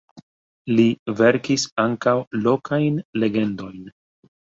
Li verkis ankaŭ lokajn legendojn.